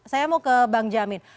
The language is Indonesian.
saya mau ke bang jamin